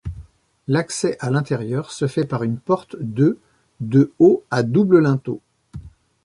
L'accès à l'intérieur se fait par une porte de de haut à double linteau.